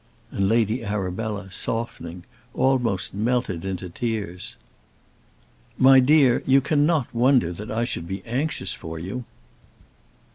And Lady Arabella, softening, almost melted into tears. "My dear, you cannot wonder that I should be anxious for you."